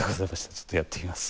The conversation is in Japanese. ちょっとやってみます。